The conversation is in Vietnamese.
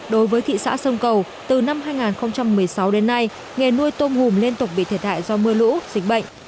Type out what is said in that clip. đối với thị xã sông cầu từ năm hai nghìn một mươi sáu đến nay nghề nuôi tôm hùm liên tục bị thiệt hại do mưa lũ dịch bệnh